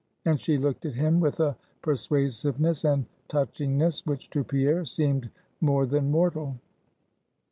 and she looked at him with a persuasiveness and touchingness, which to Pierre, seemed more than mortal.